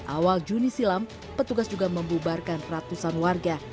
awal juni silam petugas juga membubarkan ratusan warga